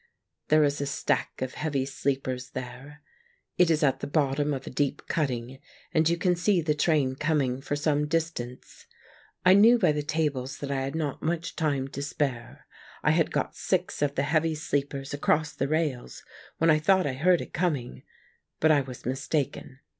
There is a stack of heavy sleepers there. It is at the bottom of a deep cutting, and you can see the train coming for some distance. I knew by the tables that I had not much time to spare. I had got six of the heavy sleepers across the rails, when I thought I heard it coming, but I was mistaken.